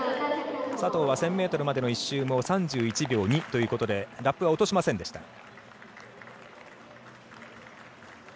佐藤は１０００ｍまでの１周が３１秒２ということでラップは落としませんでした。